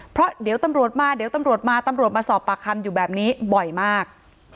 เพราะเดี๋ยวตำรวจมาสอบปากคำอยู่แบบนี้บ่อยมาก